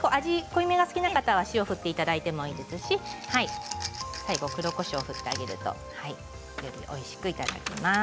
濃いめが好きな方は塩を振ってもいいですし黒こしょうを振ってあげるとよりおいしくいただけます。